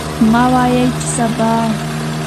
مه وایئ چې سبا.